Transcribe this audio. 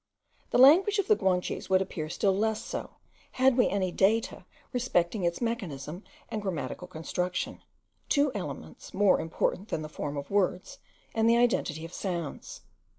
The language of the Guanches would appear still less so, had we any data respecting its mechanism and grammatical construction; two elements more important than the form of words, and the identity of sounds.